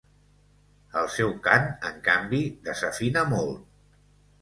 El seu cant, en canvi, desafina molt.